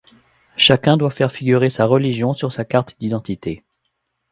Chacun doit faire figurer sa religion sur sa carte d'identité.